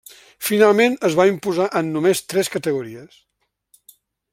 Finalment es va imposar en només tres categories.